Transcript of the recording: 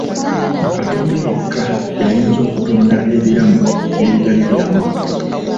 Katonda yekka y'ayinza okutonda ebiramu n'ebitali biramu